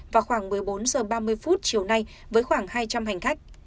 vào khoảng một mươi bốn h ba mươi phút chiều nay với khoảng hai trăm linh hành khách